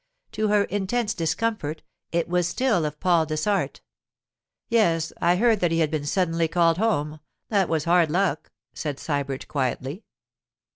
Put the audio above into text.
To her intense discomfort, it was still of Paul Dessart. 'Yes, I heard that he had been suddenly called home; that was hard luck,' said Sybert quietly.